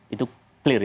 itu clear ya